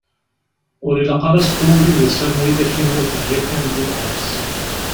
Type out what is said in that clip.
Ur ilaq ara ad teḍru yid-s am widak yemmuten yakan di lḥebs.